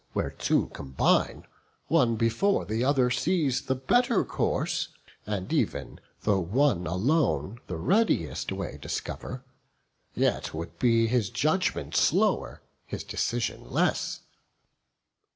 Where two combine, one before other sees The better course; and ev'n though one alone The readiest way discover, yet would be His judgment slower, his decision less."